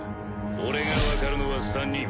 俺が分かるのは３人。